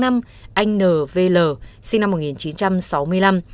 anh n v l sinh năm một nghìn chín trăm sáu mươi năm